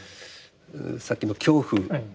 さっきの恐怖